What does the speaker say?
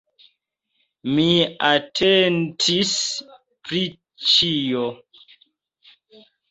Mi atentis pri ĉio.